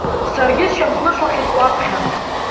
Саргьы сшьамхнышлахьеит уаԥхьа.